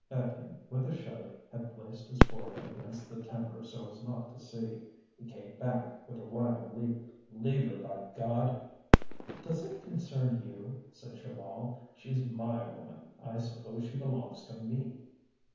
Étienne, with a shudder, had placed his forehead against the timber so as not to see. He came back with a wild leap. "Leave her, by God!" "Does it concern you?" said Chaval. "She's my woman; I suppose she belongs to me!"